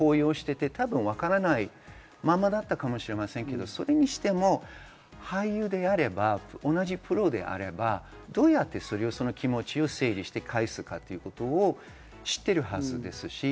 自分がやったことを高揚していて、わからないままだったかもしれませんけれど、それにしても俳優であれば同じプロであれば、どうやってそれをその気持ちを整理して返すかということを知っているはずです。